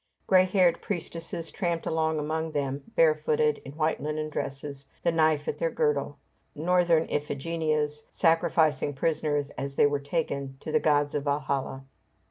Gray haired priestesses tramped along among them, barefooted, in white linen dresses, the knife at their girdle; northern Iphigenias, sacrificing prisoners as they were taken, to the gods of Valhalla.